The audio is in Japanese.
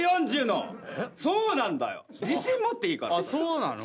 そうなの？